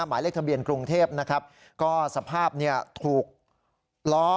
หมายเลขทะเบียนกรุงเทพนะครับก็สภาพเนี่ยถูกล้อ